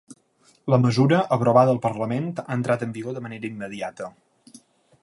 La mesura, aprovada al parlament, ha entrat en vigor de manera immediata.